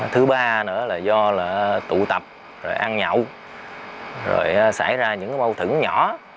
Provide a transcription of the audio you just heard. thứ ba nữa là do là tụ tập rồi ăn nhậu rồi xảy ra những cái bâu thử nhỏ